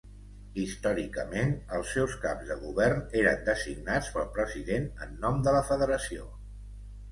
Històricament els seus caps de govern eren designats pel president en nom de la federació.